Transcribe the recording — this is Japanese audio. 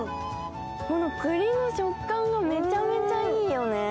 くりの食感がめちゃめちゃいいよね。